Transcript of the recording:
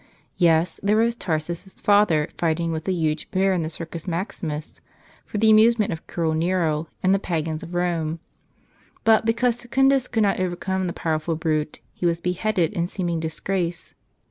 Yes; there was Tarse's father fighting with a huge bear in the Circus Maximus, for the amusement of cruel Nero and the pagans of Rome. But, because Secundus could not overcome the powerful brute, he was beheaded in seeming disgrace.